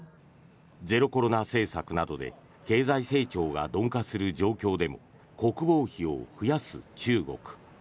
ゼロコロナ政策などで経済成長が鈍化する状況でも国防費を増やす中国。